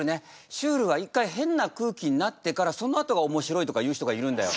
シュールは一回変な空気になってからそのあとがおもしろいとか言う人がいるんだよ。